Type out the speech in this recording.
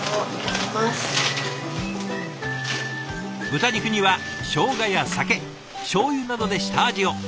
豚肉にはしょうがや酒しょうゆなどで下味を。